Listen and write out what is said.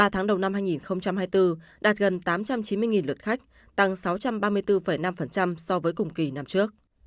ba tháng đầu năm hai nghìn hai mươi bốn đạt gần tám trăm chín mươi lượt khách tăng sáu trăm ba mươi bốn năm so với cùng kỳ năm trước